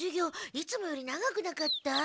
いつもより長くなかった？